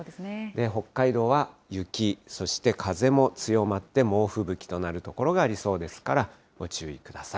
北海道は雪、そして風も強まって、猛吹雪となる所がありそうですから、ご注意ください。